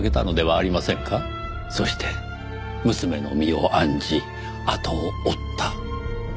そして娘の身を案じあとを追った。